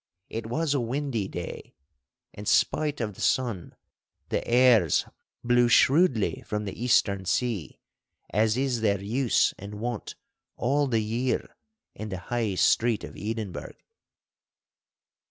It was a windy day, and, spite of the sun, the airs blew shrewdly from the eastern sea, as is their use and wont all the year in the High Street of Edinburgh.